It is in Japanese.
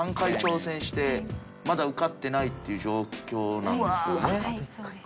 ３回挑戦してまだ受かってないっていう状況なんですよね？